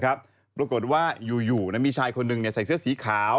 ปรากฏว่าอยู่มีชายคนหนึ่งใส่เสื้อสีขาว